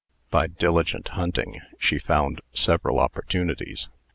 By diligent hunting, she found several opportunities.